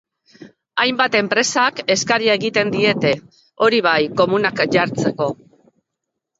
Hainbat enpresak eskaria egin diete, hori bai, komunak jartzeko.